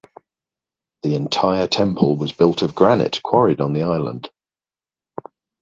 The entire temple was built of granite quarried on the island.